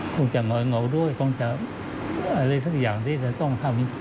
คงจะเหงาด้วยคงจะอะไรสักอย่างที่จะต้องทำ